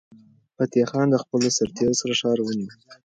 فتح خان د خپلو سرتیرو سره ښار ونیو.